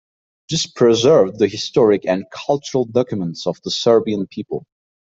This preserved the historic and cultural documents of the Serbian people.